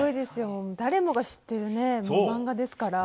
誰もが知ってる漫画ですから。